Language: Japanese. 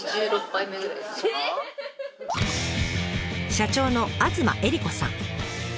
社長の東恵理子さん。